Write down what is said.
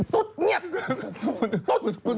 เอี่ยตุ๊ดเนี่ยตุ๊ด